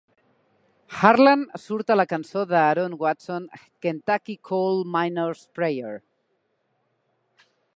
Harlan surt a la cançó d'Aaron Watson, "Kentucky Coal Miner's Prayer".